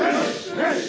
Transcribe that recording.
よし！